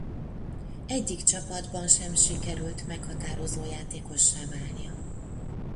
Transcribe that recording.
Egyik csapatban sem sikerült meghatározó játékossá válnia.